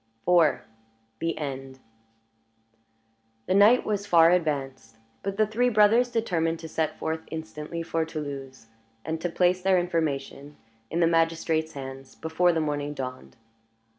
IV. THE END The night was far advanced; but the three brothers determined to set forth instantly for Toulouse, and to place their information in the magistrate's hands before the morning dawned.